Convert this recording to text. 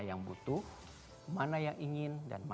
ya mungkin ikuti peng quitusta com